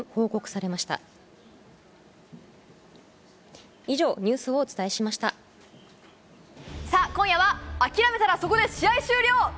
さあ、今夜は、諦めたらそこで試合終了！